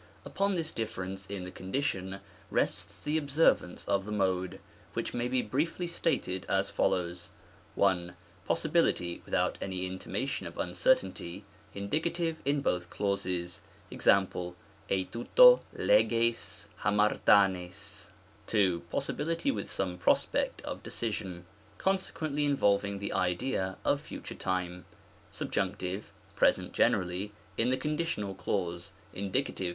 Upon this difference in the condition rests the observance of the Mode, which may be briefly stated as follows : I. Possibility without any intimation of uncer tainty; Indicative in both clauses. jE»., tl rovvo Xe ysig^ d/LiaQTavug. n. Possibility with some prospect of decision ; con sequently involving the idea of Future time. Subjunct. (Present generally) in the conditional clause ; Indie.